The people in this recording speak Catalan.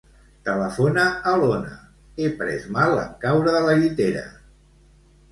Telefona a l'Ona; he pres mal en caure de la llitera.